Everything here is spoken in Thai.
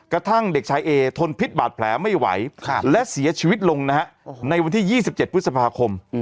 กระทั่งเด็กชายเอทนพิษบาดแผลไม่ไหวและเสียชีวิตลงนะฮะในวันที่๒๗พฤษภาคม